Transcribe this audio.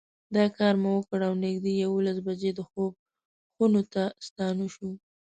دا کار مو وکړ او نږدې یوولس بجې د خوب خونو ته ستانه شوو.